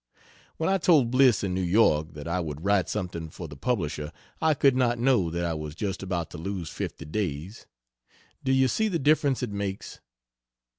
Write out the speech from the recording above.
When I told Bliss in N. Y. that I would write something for the Publisher I could not know that I was just about to lose fifty days. Do you see the difference it makes?